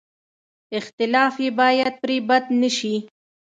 اختلاف یې باید پرې بد نه شي.